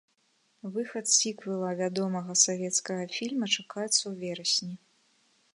Выхад сіквэла вядомага савецкага фільма чакаецца ў верасні.